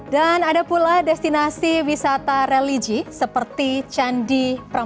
dan ada pula destinasi wisata religi seperti candi